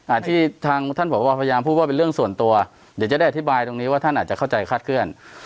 ที่ทางท่านบอกว่าพยายามพูดว่าเป็นเรื่องส่วนตัวเดี๋ยวจะได้อธิบายตรงนี้ว่าท่านอาจจะเข้าใจคาดเคลื่อน